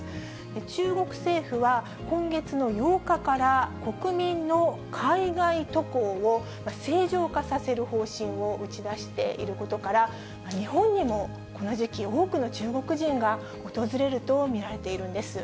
中国政府は、今月の８日から国民の海外渡航を正常化させる方針を打ち出していることから、日本にもこの時期、多くの中国人が訪れると見られているんです。